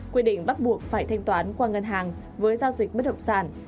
quy định bắt buộc phải thanh toán qua ngân hàng với giao dịch bất động sản